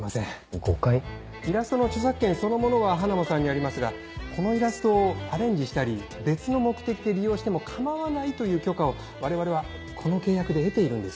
イラストの著作権そのものはハナモさんにありますがこのイラストをアレンジしたり別の目的で利用しても構わないという許可を我々はこの契約で得ているんです。